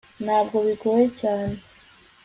ntabwo bigoye cyane